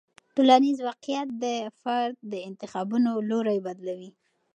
ټولنیز واقیعت د فرد د انتخابونو لوری بدلوي.